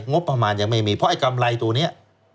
งบประมาณยังไม่มีเพราะไอ้กำไรตัวนี้